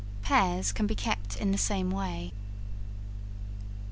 Pears can be kept in the same way.